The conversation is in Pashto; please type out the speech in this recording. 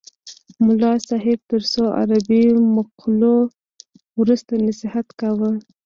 ملا صاحب تر څو عربي مقولو وروسته نصیحت کاوه.